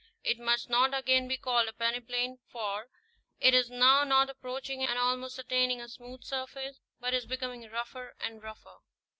It must not again be called a peneplain, for it is now not approaching and almost attaining a smooth surface, but is becoming rougher and rougher.